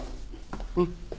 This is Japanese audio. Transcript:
うん。